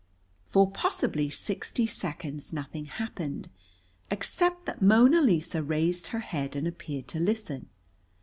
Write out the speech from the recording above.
For possibly sixty seconds nothing happened, except that Mona Lisa raised her head and appeared to listen.